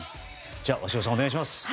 じゃあ、鷲尾さんお願いします！